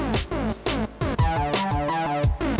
aku gak mau kamu sakit